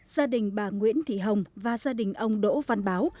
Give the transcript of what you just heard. gia đình bà nguyễn thị hồng và gia đình ông đỗ văn báo